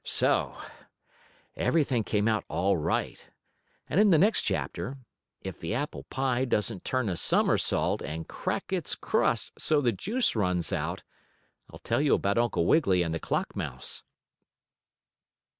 So everything came out all right, and in the next chapter, if the apple pie doesn't turn a somersault and crack its crust so the juice runs out, I'll tell you about Uncle Wiggily and the clock mouse.